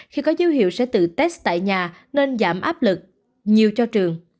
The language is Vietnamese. khi có dấu hiệu sẽ tự test tại nhà nên giảm áp lực nhiều cho trường